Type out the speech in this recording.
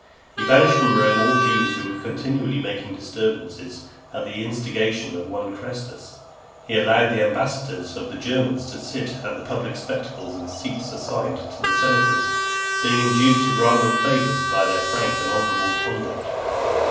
He banished from Rome all the Jews, who were continually making disturbances at the instigation of one Chrestus . He allowed the ambassadors of the Germans to sit at the public spectacles in the seats assigned to the senators, being induced to grant them favours by their frank and honourable conduct.